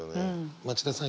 町田さん